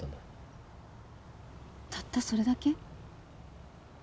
たったそれだけ？